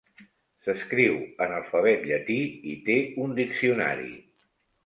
S'escriu en alfabet llatí i té un diccionari.